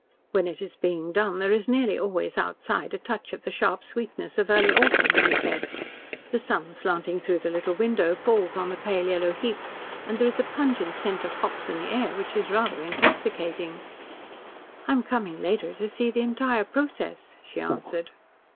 "When it is being done there is nearly always outside a touch of the sharp sweetness of early autumn," he said "The sun slanting through the little window falls on the pale yellow heaps, and there is a pungent scent of hops in the air which is rather intoxicating." "I am coming later to see the entire process," she answered.